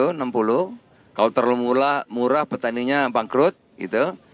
kalau terlalu murah petaninya pangkrut gitu